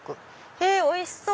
へぇおいしそう！